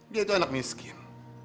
dia itu anak miskin